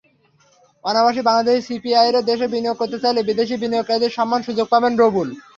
অনাবাসী বাংলাদেশি সিআইপিরা দেশে বিনিয়োগ করতে চাইলে বিদেশি বিনিয়োগকারীদের সমান সুযোগ পাবেন।